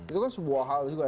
itu kan sebuah hal juga